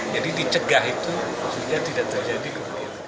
jadi dicegah itu sudah tidak terjadi ke kerugian negara